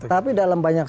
tapi dalam banyak